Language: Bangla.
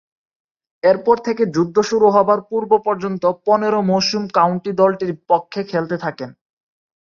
এরপর থেকে যুদ্ধ শুরু হবার পূর্ব-পর্যন্ত পনেরো মৌসুম কাউন্টি দলটির পক্ষে খেলতে থাকেন।